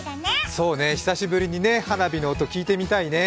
そうね、久しぶりに花火の音、聞いてみたいね。